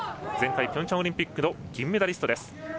前回ピョンチャンオリンピックの銀メダリストです。